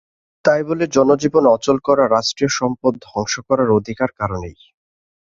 তাই বলে জনজীবন অচল করা, রাষ্ট্রীয় সম্পদ ধ্বংস করার অধিকার কারও নেই।